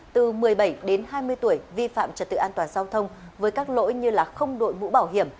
từ một mươi bảy đến hai mươi tuổi vi phạm trật tự an toàn giao thông với các lỗi như không đội mũ bảo hiểm